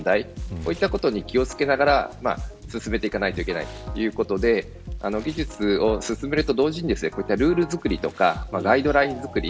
こういったことに気を付けながら進めていかないといけないということで技術を進めると同時にこういったルール作りとかガイドライン作り